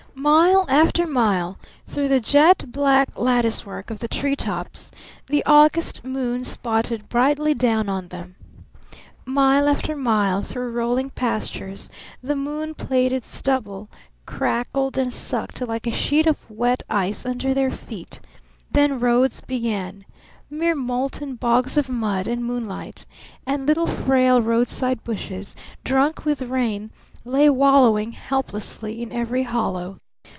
Mile after mile through the jet black lattice work of the tree tops the August moon spotted brightly down on them. Mile after mile through rolling pastures the moon plaited stubble crackled and sucked like a sheet of wet ice under their feet, then roads began mere molten bogs of mud and moonlight; and little frail roadside bushes drunk with rain lay wallowing helplessly in every hollow.